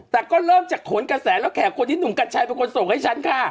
แต่ก็เริ่มจากขนกระแสแล้วแขกคนที่หนุ่มกัญชัยเป็นคนส่งให้ฉันค่ะ